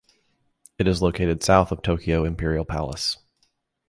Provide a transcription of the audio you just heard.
It is located south of Tokyo Imperial Palace.